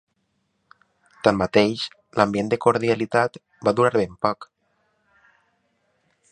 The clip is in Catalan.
Tanmateix, l’ambient de cordialitat va durar ben poc.